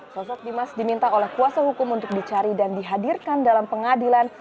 sosok dimas diminta oleh kuasa hukum untuk dicari dan dihadirkan dalam pengadilan